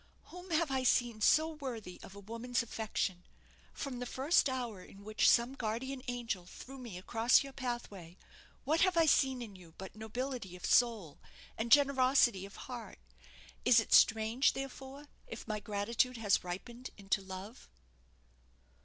"Whom have I seen so worthy of a woman's affection? From the first hour in which some guardian angel threw me across your pathway, what have I seen in you but nobility of soul and generosity of heart? Is it strange, therefore, if my gratitude has ripened into love?"